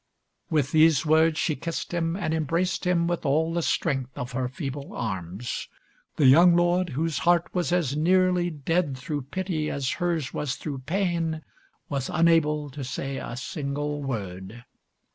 With these words she kissed him and embraced him with all the strength of her feeble arms. The young lord, whose heart was as nearly dead through pity as hers was through pain, was unable to say a single word.